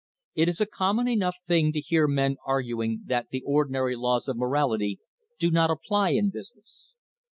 It is a common enough thing to hear men arguing that the ordinary laws of morality do not apply in business.